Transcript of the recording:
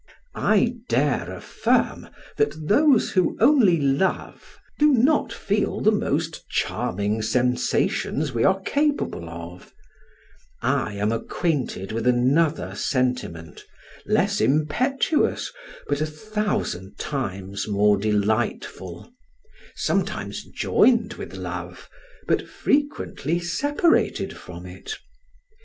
I dare affirm, that those who only love, do not feel the most charming sensations we are capable of: I am acquainted with another sentiment, less impetuous, but a thousand times more delightful; sometimes joined with love, but frequently separated from it.